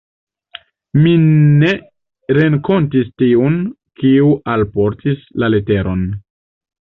Mi ne renkontis tiun, kiu alportis la leteron.